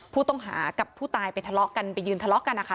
ผู้ต้องหากับผู้ตายไปทะเลาะกันไปยืนทะเลาะกันนะคะ